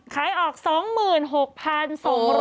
ขายออก๒๖๒๐๐บาท